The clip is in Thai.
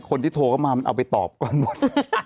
คนที่โทรเข้ามามันเอาไปตอบก่อนหมด